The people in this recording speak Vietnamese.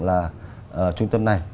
là trung tâm này